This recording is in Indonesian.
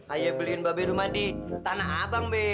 ayo beliin babe rumah di tanah abang b